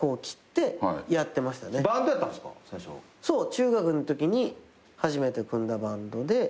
中学のときに初めて組んだバンドで。